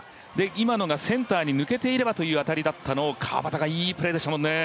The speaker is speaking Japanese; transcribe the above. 今のが、センターに抜けていればという当たりだったのが川畑がいいプレーでしたもんね。